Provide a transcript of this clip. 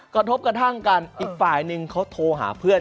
กระทบกระทั่งกันอีกฝ่ายนึงเขาโทรหาเพื่อน